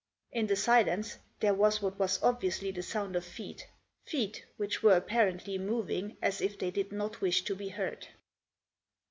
In the silence, there was what was obviously the sound of feet, feet which were apparently moving as if they did not wish to be heard.